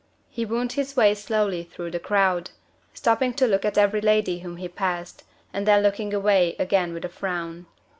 He wound his way slowly through the crowd; stopping to look at every lady whom he passed, and then looking away again with a frown.